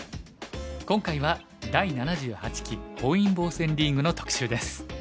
今回は第７８期本因坊戦リーグの特集です。